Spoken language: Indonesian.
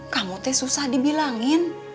kamu teh susah dibilangin